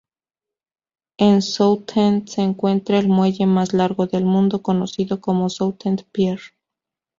En Southend se encuentra el muelle más largo del mundo, conocido como Southend Pier.